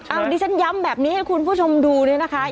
อ่าดิฉันย้ำแบบนี้ให้คุณผู้ชมดูนะคะ